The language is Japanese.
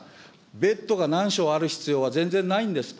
ベッドが何床ある必要は全然ないんです。